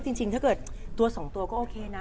เค้าบอกจริงถ้าเกิดตัวสองตัวก็โอเคนะ